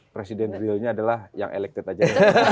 presiden realnya adalah yang elektif aja